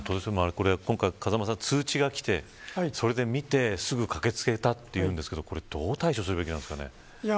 今回通知がきて、それで見てすぐ駆け付けたというんですけどどう対処するべきなんですかね。